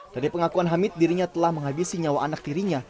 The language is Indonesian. dari pengakuan hamid dirinya telah menghabisi nyawa anak tirinya